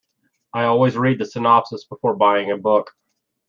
I always read the synopsis before buying a book.